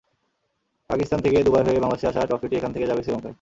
পাকিস্তান থেকে দুবাই হয়ে বাংলাদেশে আসা ট্রফিটি এখান থেকে যাবে শ্রীলঙ্কায়।